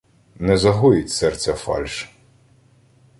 Не загоїть серця фальш.